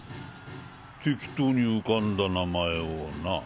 適当に浮かんだ名前をな。